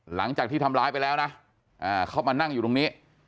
หลังจากที่ทำร้ายไปแล้วนะเขามานั่งอยู่ตรงนี้